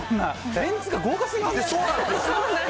メンツが豪華すぎません？